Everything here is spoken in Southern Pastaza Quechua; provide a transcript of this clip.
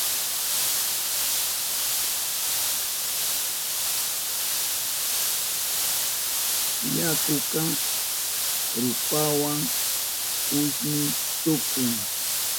Yakuka rupawa kushni tukun.